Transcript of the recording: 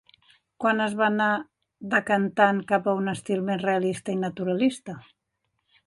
Quan es va anar decantant cap a un estil més realista i naturalista?